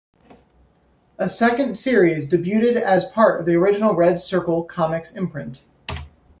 A second series debuted as part of the original Red Circle Comics imprint.